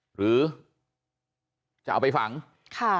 หรือจะเอาไปฝังค่ะ